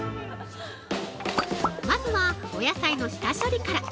まずは、お野菜の下処理から。